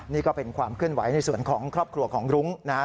นี่ก็เป็นความเคลื่อนไหวในส่วนของครอบครัวของรุ้งนะฮะ